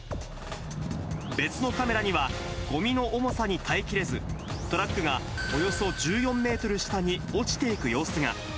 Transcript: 別のカメラには、ごみの重さに耐えきれず、トラックがおよそ１４メートル下に落ちていく様子が。